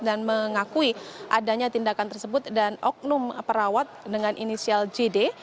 dan mengakui adanya tindakan tersebut dan oknum perawat dengan inisial jd